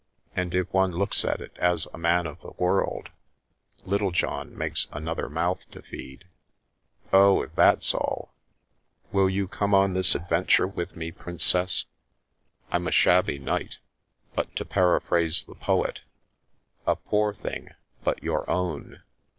And, if one looks at it as a man of the world, Littlejohn makes another mouth to feed." " Oh, if that's all — will you come on this adventure with me, princess? I'm a shabby knight, but, to para phrase the poet, * a poor thing, but your own